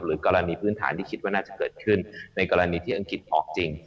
กรณีพื้นฐานที่คิดว่าน่าจะเกิดขึ้นในกรณีที่อังกฤษออกจริง